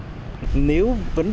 nếu vấn đề chúng ta không có